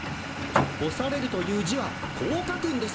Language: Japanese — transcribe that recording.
干されるという字はこう書くんです。